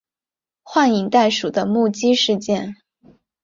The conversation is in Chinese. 幻影袋鼠的目击事件。